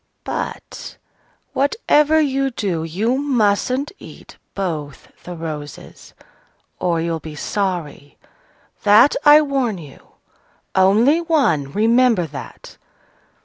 But, whatever you do, you mustn't eat both the roses, or you'll be sorry, that I warn you! Only one: remember that!"